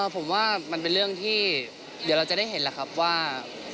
ผมว่ามันเป็นเรื่องที่เดี๋ยวเราจะได้เห็นแหละครับว่า